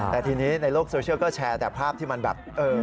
แต่ทีนี้ในโลกโซเชียลก็แชร์แต่ภาพที่มันแบบ